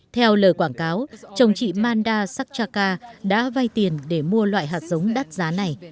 theo lời quảng cáo chồng chị manda sakchaka đã vay tiền để mua loại hạt giống đắt giá này